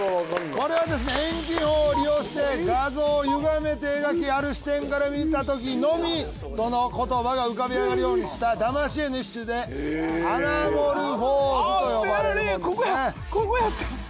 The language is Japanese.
これはですね遠近法を利用して画像をゆがめて描きある視点から見たときのみその言葉が浮かび上がるようにしただまし絵の一種でアナモルフォーズと呼ばれるもんですね。